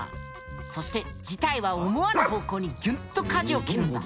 そして事態は思わぬ方向にギュンと舵を切るんだ。